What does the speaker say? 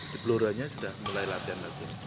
di peluruhannya sudah mulai latihan latihan